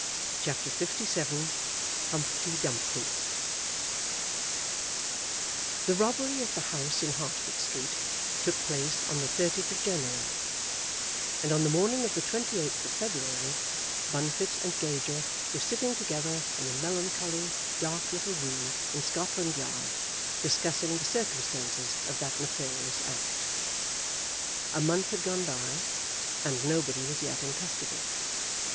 CHAPTER LVII Humpty Dumpty The robbery at the house in Hertford Street took place on the 30th of January, and on the morning of the 28th of February Bunfit and Gager were sitting together in a melancholy, dark little room in Scotland Yard, discussing the circumstances of that nefarious act. A month had gone by, and nobody was yet in custody.